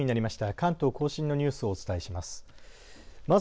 関東甲信のニュースをお伝えします。